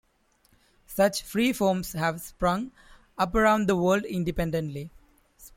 Such freeforms have sprung up around the world independently.